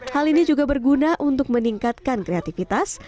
hal ini juga berguna untuk meningkatkan kreativitas